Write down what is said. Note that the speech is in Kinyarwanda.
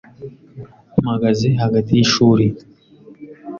Mpagaze hagati yishuri.